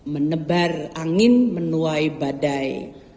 menebar angin menuai badai